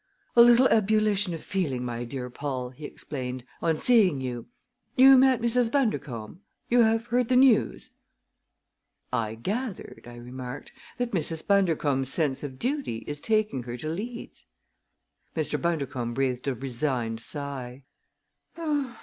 "A little ebullition of feeling, my dear Paul," he explained, "on seeing you. You met Mrs. Bundercombe? You have heard the news?" "I gathered," I remarked, "that Mrs. Bundercombe's sense of duty is taking her to Leeds." Mr. Bundercombe breathed a resigned sigh.